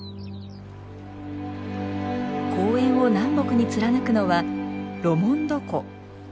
公園を南北に貫くのはロモンド湖。